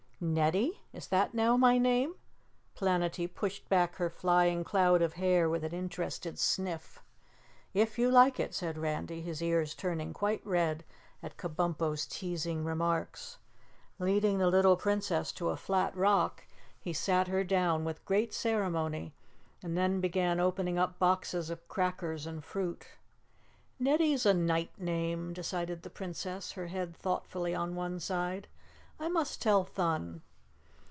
"Netty? Is that now my name?" Planetty pushed back her flying cloud of hair with an interested sniff. "If you like it," said Randy, his ears turning quite red at Kabumpo's teasing remarks. Leading the little Princess to a flat rock, he sat her down with great ceremony and then began opening up boxes of crackers and fruit. "Netty's a nite name," decided the Princess, her head thoughtfully on one side. "I must tell Thun."